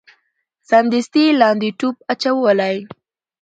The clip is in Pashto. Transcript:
سمدستي یې لاندي ټوپ وو اچولی